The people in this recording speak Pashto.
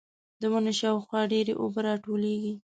د ونې شاوخوا ډېرې اوبه راټولېږي.